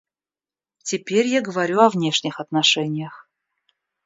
Теперь я говорю о внешних отношениях.